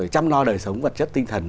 chăm lo đời sống vật chất tinh thần